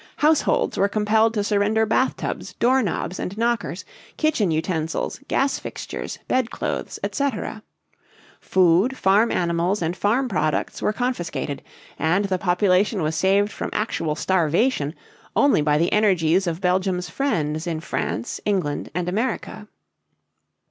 Households were compelled to surrender bathtubs, door knobs and knockers, kitchen utensils, gas fixtures, bedclothes, etc. Food, farm animals, and farm products were confiscated; and the population was saved from actual starvation only by the energies of Belgium's friends in France, England, and America.